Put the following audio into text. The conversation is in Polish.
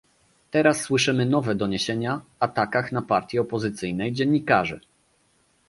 Teraz słyszymy nowe doniesienia atakach na partie opozycyjne i dziennikarzy